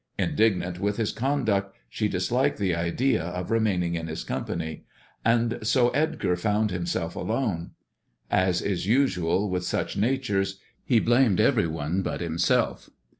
Indignant with his conduct, she disliked the ea of remaining in his company, and so Edgar found mself alone. As is usual with such natures, he blamed ery one but himself.